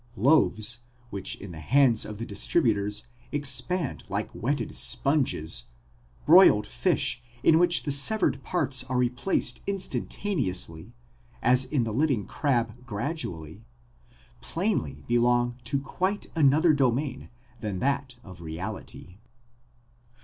Loaves, which in the hands of the distributors expand like wetted sponges,— broiled fish, in which the severed parts are replaced instantaneously, as in the living crab gradually,—plainly belong to quite another domain than that of reality.